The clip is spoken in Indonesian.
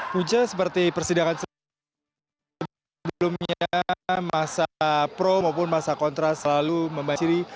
puja seperti persidangan sebelumnya massa pro maupun massa kontra selalu memasiri